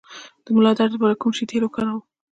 د ملا درد لپاره د کوم شي تېل وکاروم؟